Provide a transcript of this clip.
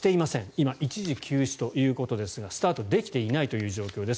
今、一時休止ということですがスタートできていないという状況です。